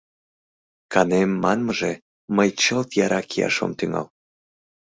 Канем манмыже, мый чылт яра кияш ом тӱҥал.